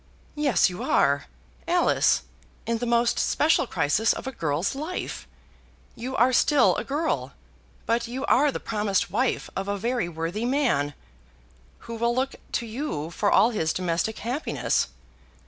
"Yes you are, Alice; in the most special crisis of a girl's life. You are still a girl, but you are the promised wife of a very worthy man, who will look to you for all his domestic happiness.